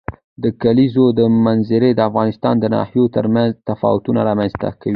د کلیزو منظره د افغانستان د ناحیو ترمنځ تفاوتونه رامنځ ته کوي.